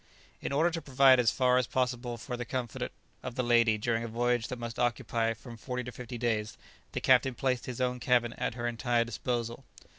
In order to provide as far as possible for the comfort of the lady during a voyage that must occupy from forty to fifty days, the captain placed his own cabin at her entire disposal.